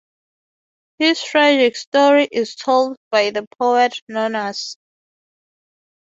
His tragic story is told by the poet Nonnus.